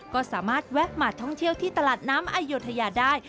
ก็สามารถแวะมาท่องเที่ยวที่ตลาดน้ำอโยธยาได้